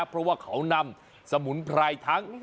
เพราะว่าเขานำสมุนไพรทั้ง